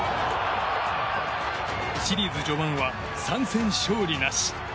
シリーズ序盤は３戦勝利なし。